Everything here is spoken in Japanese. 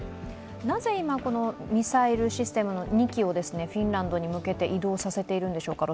なぜ今、ミサイルシステムの２基をフィンランドに向けて移動させているんでしょうか？